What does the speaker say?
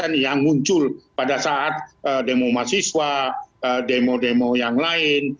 aksi aksi kekerasan yang muncul pada saat demo mahasiswa demo demo yang lain